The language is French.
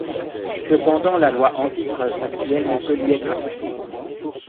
Cependant la loi anti-trust actuelle ne peut lui être appliquée.